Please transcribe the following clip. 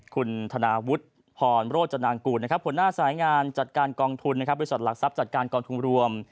คุณธนาวุฒิพรโรจนางกูลหัวหน้าสายงานจัดการกองทุนบริษัทหลักทรัพย์จัดการกองทุนรวม